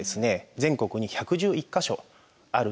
全国に１１１か所あると。